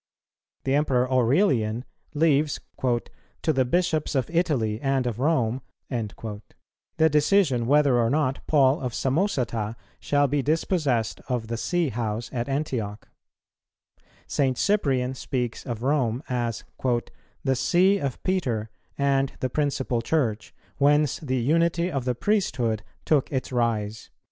The Emperor Aurelian leaves "to the Bishops of Italy and of Rome" the decision, whether or not Paul of Samosata shall be dispossessed of the see house at Antioch; St. Cyprian speaks of Rome as "the See of Peter and the principal Church, whence the unity of the priesthood took its rise